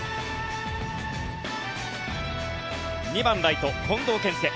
２番ライト、近藤健介。